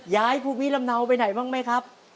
ย้ายภูมิลำเนาไปไหนบ้างไหมครับ